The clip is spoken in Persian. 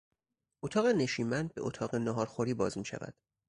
اتاق نشیمن به اتاق نهار خوری باز میشود.